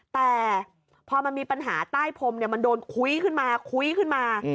แต่พอมันมีปัญหาใต้พรมมันโดนคุ้ยขึ้นมาคุ้ยขึ้นมา